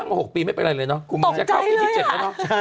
นั่งตั้ง๖ปีไม่เป็นไรเลยเนอะกูมันตกใจเลยคือ๒๗แล้วเนอะเหอะ